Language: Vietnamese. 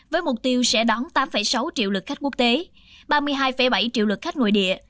với mục tiêu sẽ đón tám sáu triệu lượt khách quốc tế ba mươi hai bảy triệu lượt khách nội địa